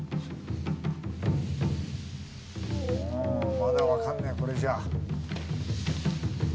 まだわかんねえこれじゃ。